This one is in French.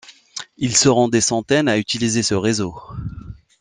Ils seront des centaines à utiliser ce réseau.